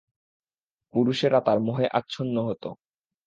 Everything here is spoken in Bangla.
পুরুষেরা তার মোহে আচ্ছন্ন হতো।